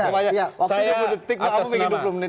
waktu dua puluh detik pak aku ingin dua puluh menit